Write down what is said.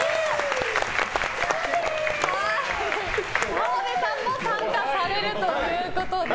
澤部さんも参加されるということです。